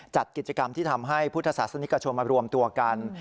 จัดกิจกรรมที่ทำให้พุทธศาสนิกชนมารวมตัวกัน